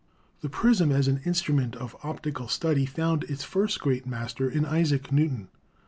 The prism as an instrument of optical study found its first great master in Isaac Newton.